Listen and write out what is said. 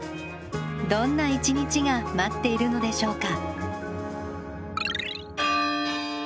どんな一日が待っているのでしょうか？